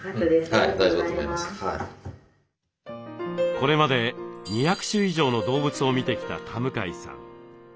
これまで２００種以上の動物を診てきた田向さん。